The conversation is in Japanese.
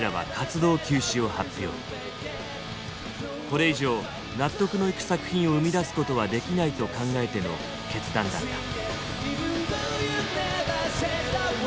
これ以上納得のいく作品を生み出すことはできないと考えての決断だった。